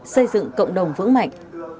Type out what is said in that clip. xây dựng cộng đồng vững mạnh